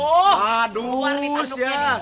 oh luar ditanduknya nih